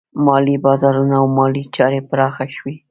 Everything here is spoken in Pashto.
مالي بازارونه او مالي چارې پراخه شوې.